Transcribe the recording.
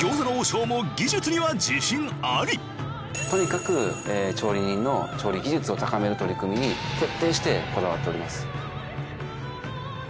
一方とにかく調理人の調理技術を高める取り組みに徹底してこだわっております。